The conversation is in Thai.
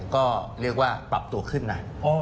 ก็เรียกว่าปรับตัวขึ้นนะ